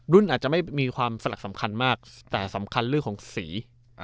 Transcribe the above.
อาจจะไม่มีความสลักสำคัญมากแต่สำคัญเรื่องของสี